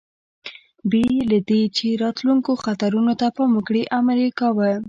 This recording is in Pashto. بې له دې، چې راتلونکو خطرونو ته پام وکړي، امر یې کاوه.